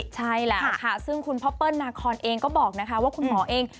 ใช่แล้วค่ะซึ่งคุณพ่อเปิ้ลนาคอนเองก็บอกนะคะว่าคุณหมอเอง